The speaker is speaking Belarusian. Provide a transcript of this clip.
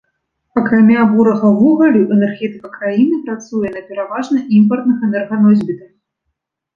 Акрамя бурага вугалю, энергетыка краіны працуе на пераважна імпартных энерганосьбітах.